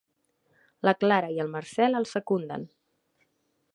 La Clara i el Marcel el secunden.